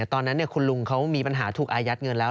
ตอนนั้นคุณลุงเขามีปัญหาถูกอายัดเงินแล้ว